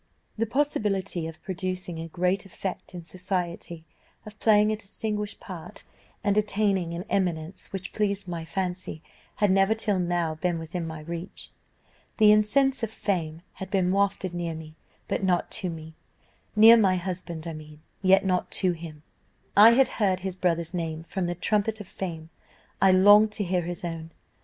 The possibility of producing a great effect in society, of playing a distinguished part, and attaining an eminence which pleased my fancy, had never till now been within my reach. The incense of fame had been wafted near me, but not to me near my husband I mean, yet not to him; I had heard his brother's name from the trumpet of fame, I longed to hear his own.